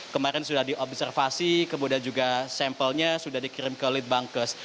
kemarin sudah diobservasi kemudian juga sampelnya sudah dikirim ke litbangkes